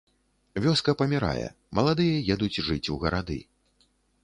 Вёска памірае, маладыя едуць жыць у гарады.